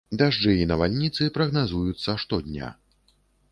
Дажджы і навальніцы прагназуюцца штодня.